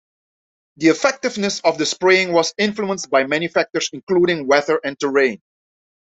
The effectiveness of the spraying was influenced by many factors including weather and terrain.